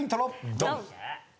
ドン！